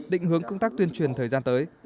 định hướng công tác tuyên truyền thời gian tới